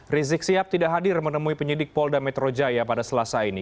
rizik sihab tidak hadir menemui penyidik polda metro jaya pada selasa ini